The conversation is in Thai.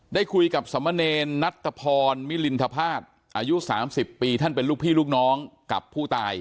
ได้คุยกับสมเนรนัตตะพรมิลินทภาษณ์อายุ๓๐ปีท่านเป็นลูกพี่ลูกน้องกับผู้ตาย